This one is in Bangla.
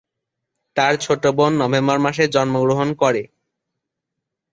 তার ছোট বোন নভেম্বর মাসে জন্মগ্রহণ করে।